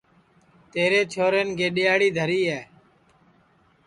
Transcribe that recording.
تیرے چھورین گیڈؔیاڑی دھری ہے